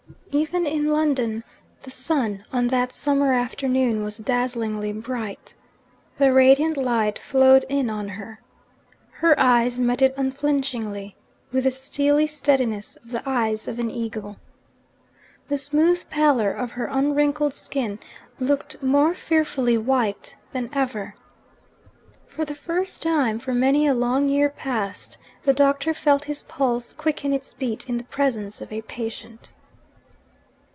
Even in London the sun, on that summer afternoon, was dazzlingly bright. The radiant light flowed in on her. Her eyes met it unflinchingly, with the steely steadiness of the eyes of an eagle. The smooth pallor of her unwrinkled skin looked more fearfully white than ever. For the first time, for many a long year past, the Doctor felt his pulse quicken its beat in the presence of a patient.